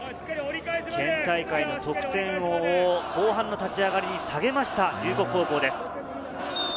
県大会の得点王を後半立ち上がりに下げた龍谷高校です。